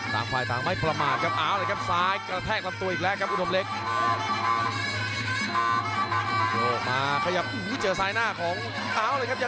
ต่างฝ่ายต่างไม่ประมาทครับอาวเลยครับ